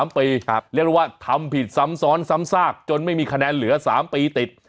เรียกได้ว่าทำผิดซ้ำซ้อนซ้ำซากจนไม่มีคะแนนเหลือ๓ปีติด